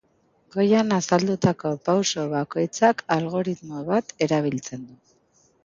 Goian azaldutako pauso bakoitzak algoritmo bat erabiltzen du.